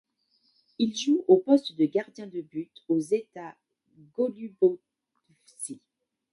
Il joue au poste de gardien de but au Zeta Golubovci.